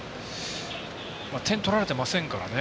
点を取られてませんからね。